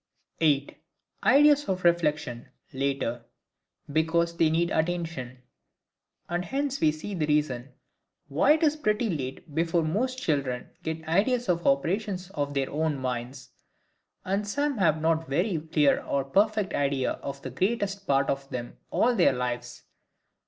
8. Ideas of Reflection later, because they need Attention. And hence we see the reason why it is pretty late before most children get ideas of the operations of their own minds; and some have not any very clear or perfect ideas of the greatest part of them all their lives.